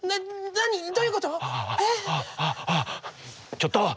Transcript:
ちょっと！